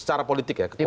secara politik ya kekuatan